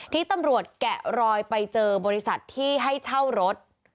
ที่ตำรวจแกะรอยไปเจอบริษัทที่ให้เช่ารถ